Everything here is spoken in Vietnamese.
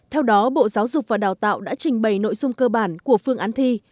theo đó bộ giáo dục và đào tạo đã trình bày nội dung cơ bản của phương án thi